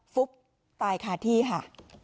ฟุบตายคาที่ค่ะ